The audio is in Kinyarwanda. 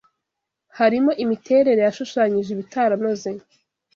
harimo imiterere yashushanyije ibitaranoze